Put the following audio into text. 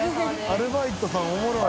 アルバイトさん面白い。